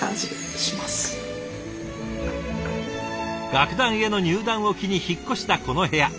楽団への入団を機に引っ越したこの部屋。